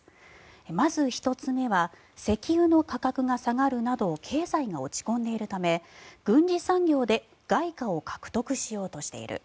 まず１つ目は石油の価格が下がるなど経済が落ち込んでいるため軍事産業で外貨を獲得しようとしている。